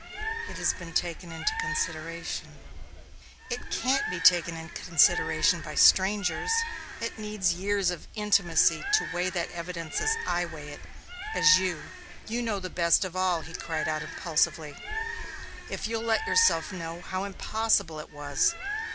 "It has been taken into consideration." "It can't be taken into consideration by strangers it needs years of intimacy to weigh that evidence as I can weigh it as you You know best of all," he cried out impulsively, "if you'll let yourself know, how impossible it was.